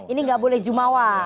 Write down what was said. ini gak boleh jumawa